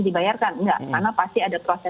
dibayarkan enggak karena pasti ada proses